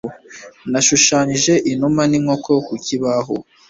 Yashushanyije inuma n’inkoko ku kibaho.